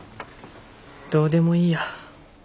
どうでもいいや。